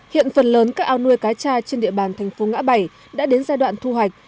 hiện phần lớn các ao nuôi cá cha trên địa bàn thành phố ngã bảy đã đến giai đoạn thu hoạch